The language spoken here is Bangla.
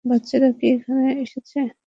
বাচ্চারা কি এখানে এসেছে?